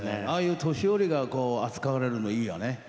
ああいう年寄りが扱われるのがいいよね。